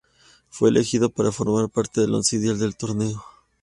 Fue elegido para formar parte del once ideal del torneo.